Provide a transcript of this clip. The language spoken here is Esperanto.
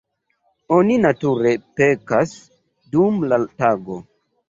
Oni, nature, pekas dum la tago.